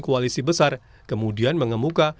koalisi besar kemudian mengemuka